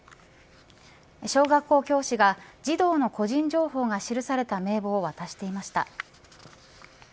小学校教師が児童の個人情報が記された名簿を渡していました。